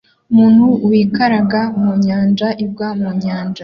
Umuntu wikaraga mu nyanja igwa mu nyanja